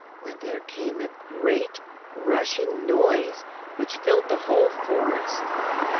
when there came a great rushing noise which filled the whole forest.